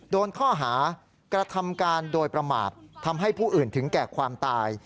โดนข้อหากระทำการโดยประมาททำให้ผู้อื่นถึงแก่ความตาย